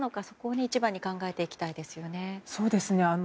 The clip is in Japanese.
そこを一番に考えていきたいですよね。